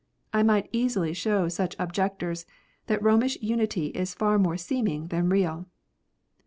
I might easily show such objectors that Romish unity is far more seeming than real.